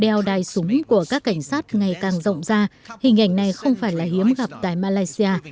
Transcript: theo đài súng của các cảnh sát ngày càng rộng ra hình ảnh này không phải là hiếm gặp tại malaysia